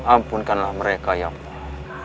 ampunkanlah mereka ya allah